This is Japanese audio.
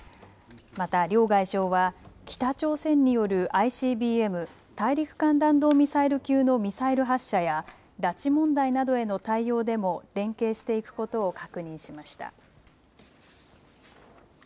また両外相は北朝鮮によるＩＣＢＭ・大陸間弾道ミサイル級のミサイル発射や拉致問題などへの対応でも連携していくことを確認しました。